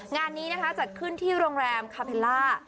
งานนี้นะคะจัดขึ้นที่โรงแรมคาเพลล่า